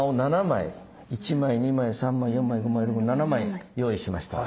１枚２枚３枚４枚５枚６枚７枚用意しました。